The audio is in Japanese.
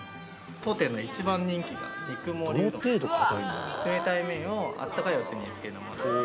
当店の一番人気が肉もりうどん冷たい麺をあったかいおつゆにつけるもので。